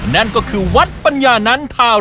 นั่นก็คือวัดปัญญานันทาวน์